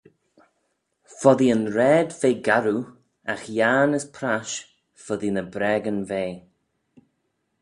Foddee yn raad ve garroo agh yiarn as prash foddee ny braagyn ve.